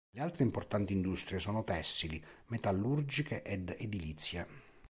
Le altre importanti industrie sono tessili, metallurgiche ed edilizie.